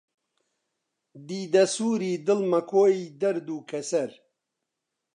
دیدە سووری، دڵ مەکۆی دەرد و کەسەر